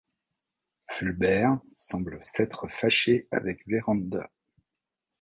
Fulbert semble s’être fâché avec Verand'a.